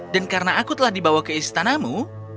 dan karena aku telah dibawa ke istanamu